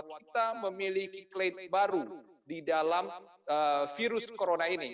kita memiliki klaim baru di dalam virus corona ini